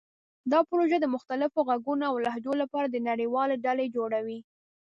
دا پروژه د مختلفو غږونو او لهجو لپاره د نړیوالې ډلې جوړوي.